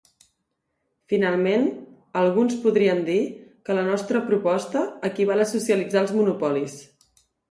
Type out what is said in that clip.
Finalment, alguns podrien dir que la nostra proposta equival a socialitzar els monopolis.